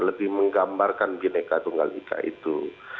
lebih menggambarkan bineka tunggal ika itu